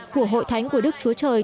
của hội thánh của đức chúa trời